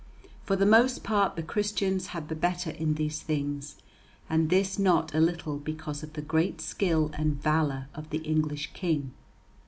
For the most part the Christians had the better in these things, and this not a little because of the great skill and valour of the English King.